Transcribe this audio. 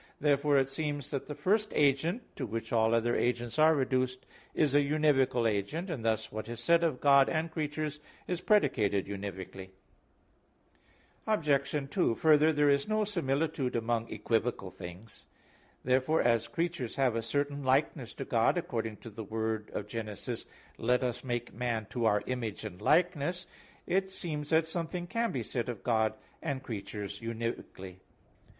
Therefore it seems that the first agent to which all other agents are reduced, is an univocal agent: and thus what is said of God and creatures, is predicated univocally. Obj. 2: Further, there is no similitude among equivocal things. Therefore as creatures have a certain likeness to God, according to the word of Genesis (Gen. 1:26), "Let us make man to our image and likeness," it seems that something can be said of God and creatures univocally.